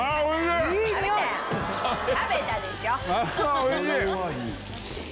おいしい！